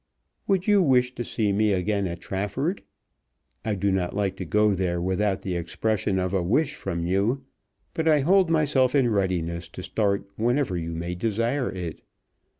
Would you wish to see me again at Trafford? I do not like to go there without the expression of a wish from you; but I hold myself in readiness to start whenever you may desire it.